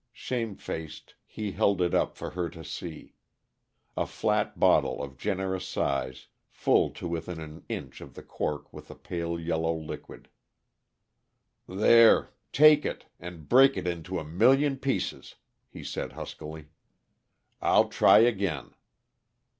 Shamefaced, he held it up for her to see a flat bottle of generous size, full to within a inch of the cork with a pale, yellow liquid. "There take it, and break it into a million pieces," he said huskily. "I'll try again."